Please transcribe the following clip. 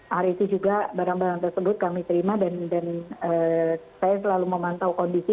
hari itu juga barang barang tersebut kami terima dan saya selalu memantau kondisi